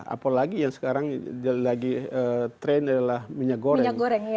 apalagi yang sekarang lagi tren adalah minyak goreng